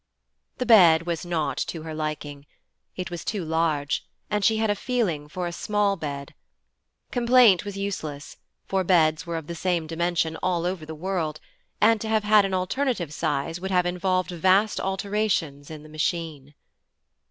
The bed was not to her liking. It was too large, and she had a feeling for a small bed. Complaint was useless, for beds were of the same dimension all over the world, and to have had an alternative size would have involved vast alterations in the Machine.